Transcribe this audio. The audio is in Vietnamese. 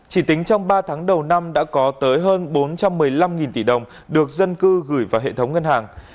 chỉ tính trong ba tháng đầu năm đã có tới hơn bốn trăm một mươi năm tỷ đồng được dân cư gửi vào hệ thống ngân hàng